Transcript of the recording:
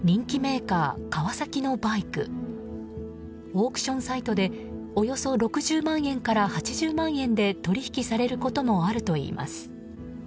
オークションサイトでおよそ６０万円から８０万円で取引されることもあるといいます。